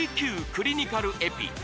クリニカルエピ